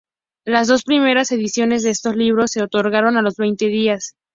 Las dos primeras ediciones de estos libros se agotaron a los veinte días.